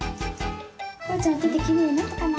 こうちゃんおててきれいになったかな？